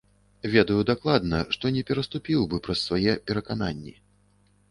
Ведаю дакладна, што не пераступіў бы праз свае перакананні.